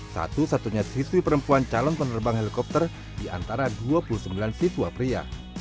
satu satunya siswi perempuan calon penerbang helikopter di antara dua puluh sembilan siswa pria